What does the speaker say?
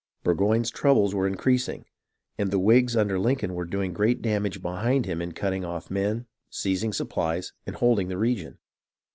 Burgoyne's troubles were increasing, and the Whigs under Lincoln were doing great damage behind him in cutting off men, seizing supplies, and holding the region.